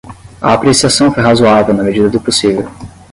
A apreciação foi razoável na medida do possível